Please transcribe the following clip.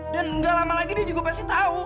dan gak lama lagi dia juga pasti tau